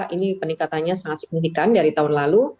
ini peningkatannya sangat signifikan dari tahun lalu